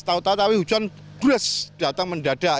tahu tahu hujan brus datang mendadak